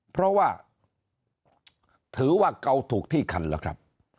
เพราะว่าถือว่าเกาถูกที่คันแล้วครับ